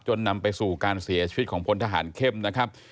นำไปสู่การเสียชีวิตของพลทหารเข้มนะครับ